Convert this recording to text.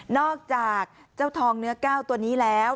อกจากเจ้าทองเนื้อก้าวตัวนี้แล้ว